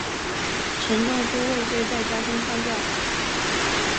陈仲书畏罪在家中上吊。